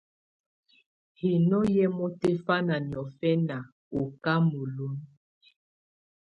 Hinó hɛ́ mɔ́tɛ́fáná niɔ̀fɛna ú kámelun.